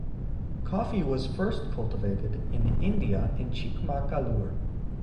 Coffee was first cultivated in India in Chikmagalur.